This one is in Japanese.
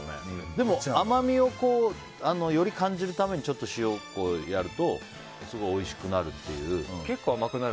でも甘みをより感じるためにちょっと塩をやるとすごいおいしくなるっていう。